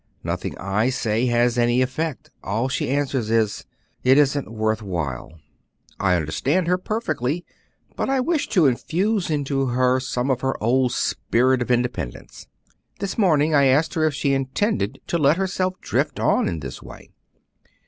Nothing I say has any effect; all she answers is, 'It isn't worth while.' I understand her perfectly, but I wished to infuse into her some of her old spirit of independence. This morning I asked her if she intended to let herself drift on in this way.